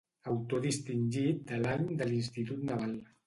Autor distingit de l'any de l'Institut Naval.